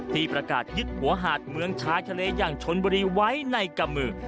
ที่ประกาศยึดหัวหาดเมืองชายทะเลอย่างชนบุรีไว้ในกะมือ